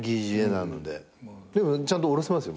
でもちゃんとおろせますよ